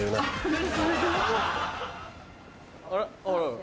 あら。